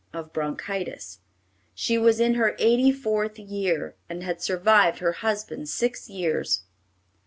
of bronchitis. She was in her eighty fourth year, and had survived her husband six years.